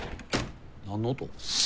何の音？